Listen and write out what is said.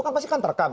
kan pasti kan terekam